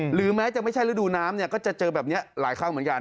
หรือแม้จะไม่ใช่ฤดูน้ำเนี่ยก็จะเจอแบบนี้หลายครั้งเหมือนกัน